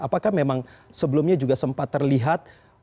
apakah memang sebelumnya juga sempat terlihat